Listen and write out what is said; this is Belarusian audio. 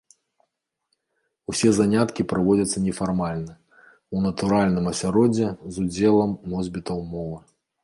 Усе заняткі праводзяцца нефармальна, у натуральным асяроддзі з удзелам носьбітаў мовы.